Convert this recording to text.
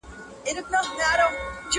نه خاطر گوري د وروڼو نه خپلوانو!.